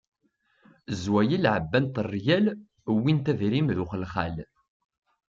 Zwayel ɛebbant rryal, wwint adrim d uxelxal.